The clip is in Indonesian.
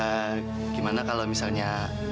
eee gimana kalau misalnya